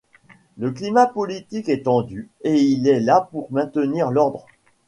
Le climat politique est tendu et il est là pour maintenir l'ordre.